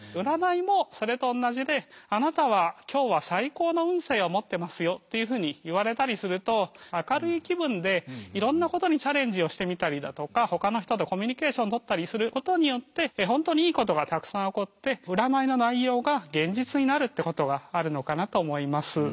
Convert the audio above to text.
占いもそれとおんなじであなたは今日は最高の運勢を持ってますよというふうに言われたりすると明るい気分でいろんなことにチャレンジをしてみたりだとかほかの人とコミュニケーション取ったりすることによって本当にいいことがたくさん起こって占いの内容が現実になるってことがあるのかなと思います。